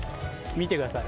見てください。